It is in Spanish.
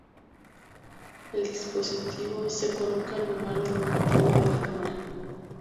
El dispositivo se coloca en lugar del objetivo de la cámara.